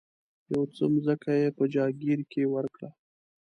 یو څه مځکه یې په جاګیر کې ورکړه.